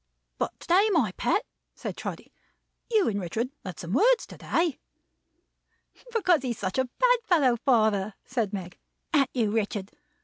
"But to day, my pet," said Trotty. "You and Richard had some words to day." "Because he's such a bad fellow, father," said Meg. "An't you, Richard?